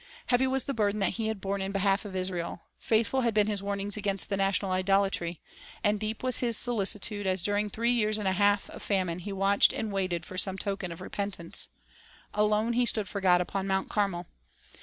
Heavy was the burden that he had borne in behalf of Israel; faithful had been his warnings against the national idolatry; and deep was his solicitude as during three years and a half of famine he watched and waited for some token of repentance. Alone he stood for God upon Mount Carmel.